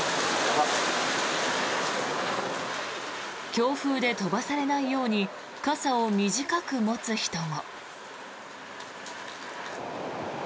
強風で飛ばされないように傘を短く持つ人も。